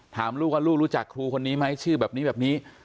ถามลูกว่าลูกรู้จักครูคนนี้ไหมชื่อแบบนี้แบบนี้